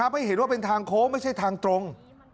ให้เห็นว่าเป็นทางโค้งไม่ใช่ทางตรง